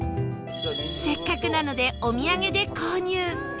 せっかくなのでお土産で購入